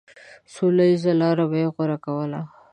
سوله ييزه لاره به يې غوره کوله.